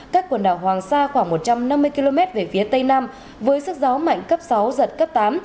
các quần đảo hoàng sa khoảng một trăm năm mươi km về phía tây nam với sức gió mạnh cấp sáu giật cấp tám